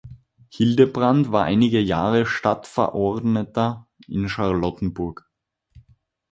Hildebrandt war einige Jahre Stadtverordneter in Charlottenburg.